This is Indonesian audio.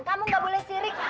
kamu gak boleh sirik